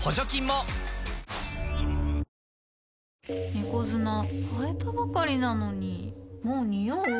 猫砂替えたばかりなのにもうニオう？